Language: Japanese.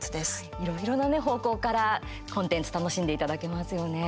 いろいろなね、方向からコンテンツ楽しんでいただけますよね。